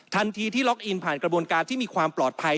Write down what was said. ที่ล็อกอินผ่านกระบวนการที่มีความปลอดภัย